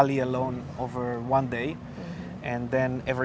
di bali sendiri dalam satu hari